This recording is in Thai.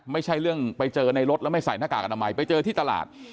ไม่ใช่เรื่องไปเจอในรถแล้วไม่ใส่หน้ากากอนามัยไปเจอที่ตลาด